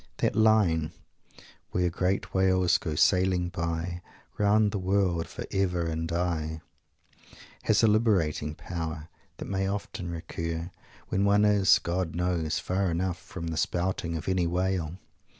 That line, "Where great whales go sailing by Round the world for ever and aye," has a liberating power that may often recur, when one is, God knows, far enough from the spouting of any whale!